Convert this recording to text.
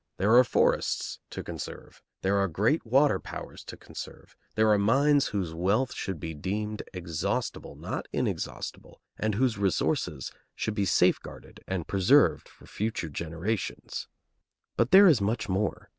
There are forests to conserve, there are great water powers to conserve, there are mines whose wealth should be deemed exhaustible, not inexhaustible, and whose resources should be safeguarded and preserved for future generations. But there is much more.